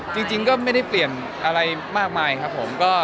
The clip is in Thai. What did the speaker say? จริงก็ไม่ได้เปลี่ยนอะไรมากมายครับผม